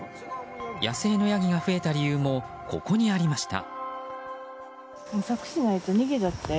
野生のヤギが増えた理由もここにありました。